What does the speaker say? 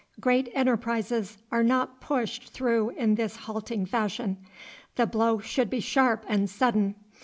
Great enterprises are not pushed through in this halting fashion. The blow should be sharp and sudden.